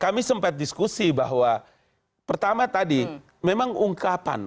kami sempat diskusi bahwa pertama tadi memang ungkapan